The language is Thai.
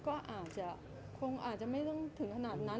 ทานยาตลอดชีวิตก็อาจจะไม่ต้องถึงขนาดนั้น